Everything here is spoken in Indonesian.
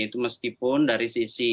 itu meskipun dari sisi